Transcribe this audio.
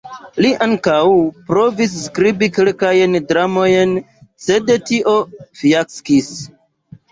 Li ankaŭ provis skribi kelkajn dramojn, sed tio fiaskis.